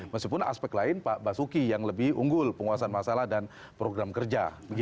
meskipun aspek lain pak basuki yang lebih unggul penguasaan masalah dan program kerja